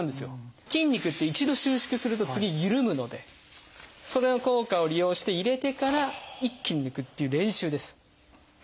筋肉って一度収縮すると次緩むのでそれの効果を利用して入れてから一気に抜くっていう練習です。